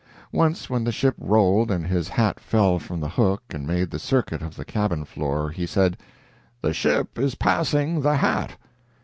Once when the ship rolled and his hat fell from the hook and made the circuit of the cabin floor, he said: "The ship is passing the hat."